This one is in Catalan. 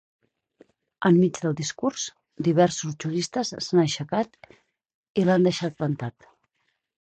Enmig del discurs, diversos juristes s’han aixecat i l’han deixat plantat.